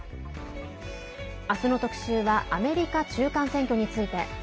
明日の特集はアメリカ中間選挙について。